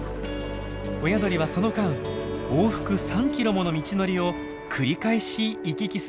親鳥はその間往復３ｋｍもの道のりを繰り返し行き来するんです。